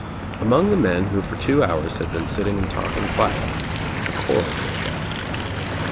Among the men who for two hours had been sitting and talking quietly a quarrel broke out.